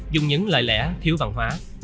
dùng những lời lẽ thiếu văn hóa